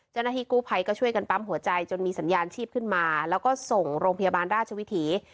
เจ้าหน้าที่กู้ภัยก็ช่วยกันปั๊มหัวใจจนมีสัญญาณชีพขึ้นมาแล้วก็ส่งโรงพยาบาลราชวิถี